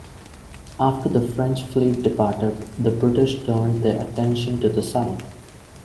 After the French fleet departed, the British turned their attention to the south.